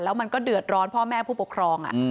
แล้วมันก็เดือดร้อนพ่อแม่ผู้ปกครอง